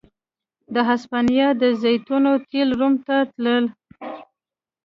د هسپانیا د زیتونو تېل روم ته راتلل